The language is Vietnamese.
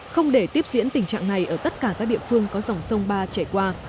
không để tiếp diễn tình trạng này ở tất cả các địa phương có dòng sông ba chạy qua